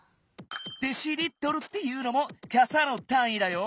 「デシリットル」っていうのもかさのたんいだよ。